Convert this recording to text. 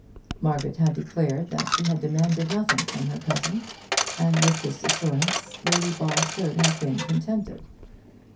Margaret had declared that she demanded nothing from her cousin, and with this assurance Lady Ball should have been contented.